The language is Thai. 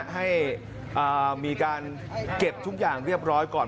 ให้มีการเก็บทุกอย่างเรียบร้อยก่อน